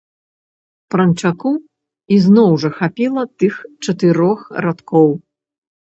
Пранчаку ізноў жа хапіла тых чатырох радкоў.